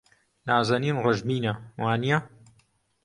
نازەنین ڕەشبینە، وانییە؟